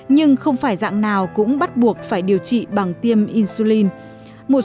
nhưng không phát hiện sớm